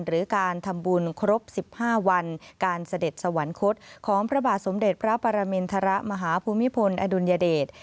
หรือการทำบุญครบ๑๕วันการเสด็จสวรรคตของพระบาทสมเด็จพระปรมินทรมาฮภูมิพลอดุลยเดช